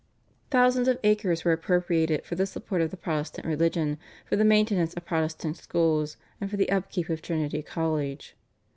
Thousands of acres were appropriated for the support of the Protestant religion, for the maintenance of Protestant schools, and for the upkeep of Trinity College.